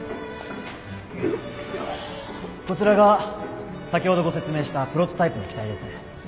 こちらが先ほどご説明したプロトタイプの機体です。